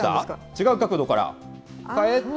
違う角度から。